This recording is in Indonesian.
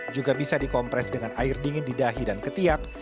juga bisa dikompres dengan air dingin di dahi dan ketiak